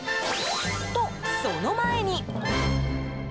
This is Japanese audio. と、その前に。